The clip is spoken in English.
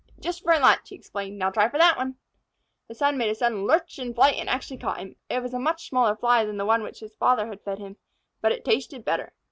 "Just for a lunch," he explained. "Now try for that one." The son made a sudden lurch and flight, and actually caught him. It was a much smaller Fly than the one which his father had fed him, but it tasted better.